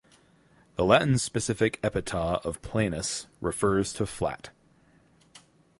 The Latin specific epithet of "planus" refers to flat.